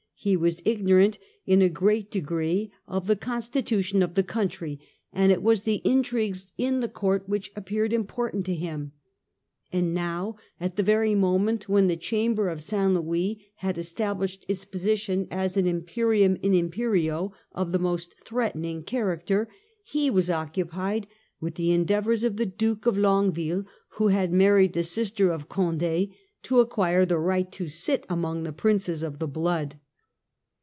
He was ignorant in a great degree of the constitution of the country, and it was the intrigues in the court which appeared important to him. And now, at the very moment when the Chamber of St. Louis had established its position as an imperium in imperio of the most threatening character, he was occupied with the endeavours of the Duke of Longueville, who had married the sister of Condd, to acquire the right to sit among the Princes of the blood.